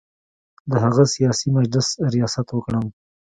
د هغه سیاسي مجلس ریاست وکړم.